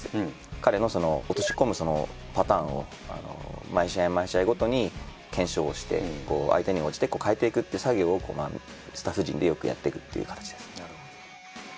彼の落とし込むパターンを毎試合毎試合ごとに検証して相手に応じて変えていくという作業をスタッフ陣でよくやってくという形です。